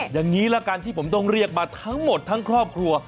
อย่างนี้ละกันที่ผมต้องเรียกมาทั้งหมดทั้งครอบครัว